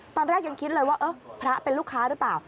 ตอนแรกยังคิดเลยว่าเออพระเป็นลูกค้าหรือเปล่า